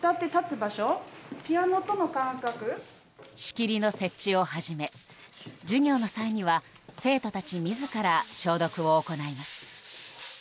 仕切りの設置をはじめ授業の際には生徒たち自ら消毒を行います。